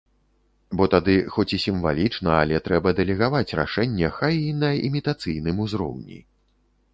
Бо тады, хоць і сімвалічна, але трэба дэлегаваць рашэнне хай і на імітацыйным узроўні.